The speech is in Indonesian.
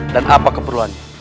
dan apa keperluannya